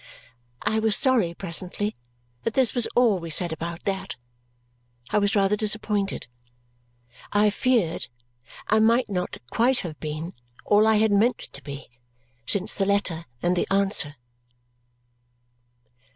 I was sorry presently that this was all we said about that. I was rather disappointed. I feared I might not quite have been all I had meant to be since the letter and the answer.